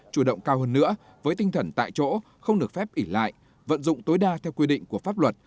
chủ động cao hơn nữa với tinh thần tại chỗ không được phép ỉ lại vận dụng tối đa theo quy định của pháp luật